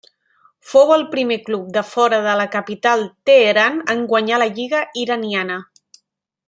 Fou el primer club de fora de la capital Teheran en guanyar la lliga iraniana.